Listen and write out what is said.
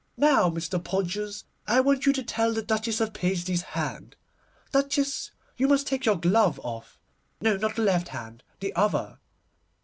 Now, Mr. Podgers, I want you to tell the Duchess of Paisley's hand. Duchess, you must take your glove off. No, not the left hand, the other.